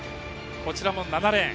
こちらも７レーン。